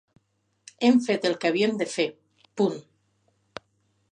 Hem fet el que havíem de fer, punt.